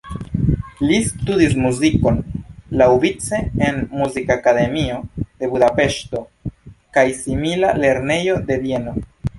Li studis muzikon laŭvice en Muzikakademio de Budapeŝto kaj simila lernejo de Vieno.